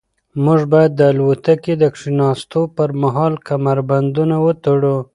موږ باید د الوتکې د کښېناستو پر مهال کمربندونه وتړو.